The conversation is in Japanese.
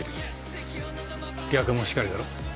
逆もしかりだろう。